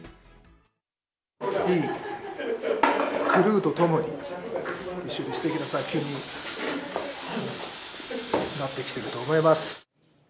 いいクルーと共に、一緒にすてきな作品になってきていると思います。